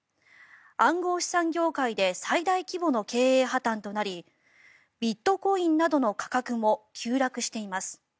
暗号資産業界で最大規模の経営破たんとなりビットコインなどの価格も急落しています。